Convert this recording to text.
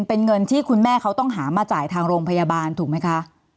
เป็นเงินที่คุณแม่เขาต้องหามาจ่ายทางโรงพยาบาลถูกไหมคะ